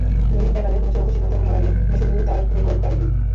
ধোনির ব্যাপারে কোনো চূড়ান্ত সিদ্ধান্ত নেওয়ার আগে শুধু তাঁর রেকর্ডটা দেখুন।